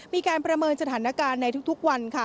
มีการประเมินสถานการณ์ในทุกวันค่ะ